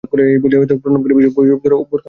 এই বলিয়া প্রণাম করিয়া বিষবৈদ্যেরা প্রস্থান করিল।